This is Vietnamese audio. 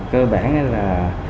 cơ bản là